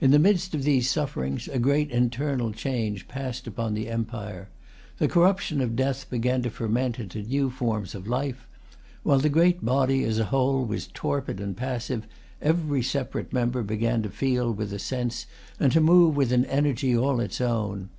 In the midst of these sufferings, a great internal change passed upon the empire. The corruption of death began to ferment into new forms of life. While the great body, as a whole, was torpid and passive, every separate member began to feel with a sense and to move with an energy all its own.